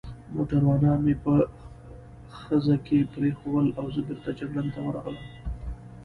موټروانان مې په خزه کې پرېښوول او زه بېرته جګړن ته ورغلم.